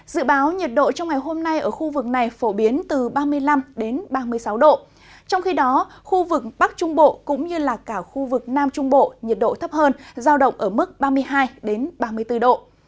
dự báo nhiệt độ trong ngày hôm nay ở khu vực này phổ biến từ ba mươi năm ba mươi sáu độ trong khi đó khu vực bắc trung bộ cũng như là cả khu vực nam trung bộ nhiệt độ thấp hơn giao động ở mức ba mươi hai ba mươi bốn độ